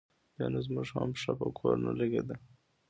بیا نو زموږ هم پښه په کور نه لګېده.